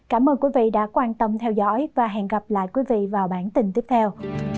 cảm ơn quý vị đã quan tâm theo dõi và hẹn gặp lại quý vị vào bản tin tiếp theo